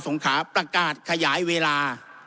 งขาประกาศขยายเวลา